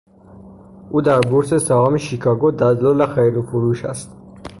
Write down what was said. او در بورس سهام شیکاگو دلال خرید و فروش است.